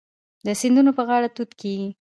د سیندونو په غاړه توت کیږي.